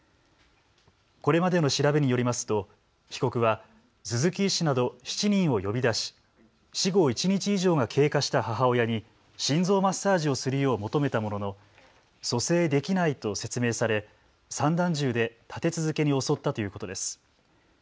これまでの調べによりますと被告は鈴木医師など７人を呼び出し死後１日以上が経過した母親に心臓マッサージをするよう求めたものの蘇生できないと説明され散弾銃で立て続けに襲ったということです。